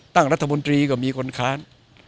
ตั้งรัฐมนตรีก็มีคนค้าน